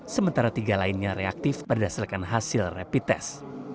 sementara tiga lainnya reaktif berdasarkan hasil rapid test